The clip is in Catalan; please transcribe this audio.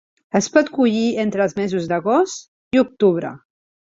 Es pot collir entre els mesos d'agost i octubre.